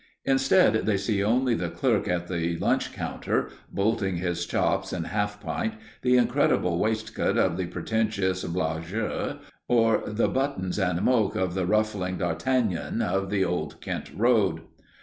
Instead, they see only the clerk at the lunch counter bolting his chops and half pint, the incredible waistcoat of the pretentious blagueur, or the buttons and "moke" of the ruffling D'Artagnan of the Old Kent road.